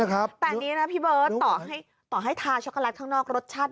แต่นี้น่ะพี่เบิร์ตต่อให้ทาช็อกโกแลตข้างนอกรสชาติ